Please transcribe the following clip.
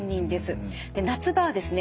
夏場はですね